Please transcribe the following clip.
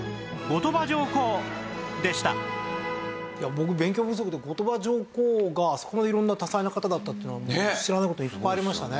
僕勉強不足で後鳥羽上皇があそこまで色んな多才な方だったっていうの知らない事いっぱいありましたね。